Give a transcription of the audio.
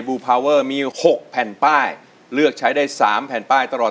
ูพาวเวอร์มี๖แผ่นป้ายเลือกใช้ได้๓แผ่นป้ายตลอด